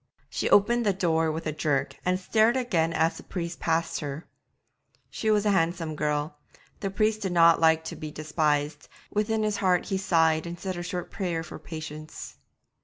She opened the door with a jerk and stared again as the priest passed her. She was a handsome girl; the young priest did not like to be despised; within his heart he sighed and said a short prayer for patience.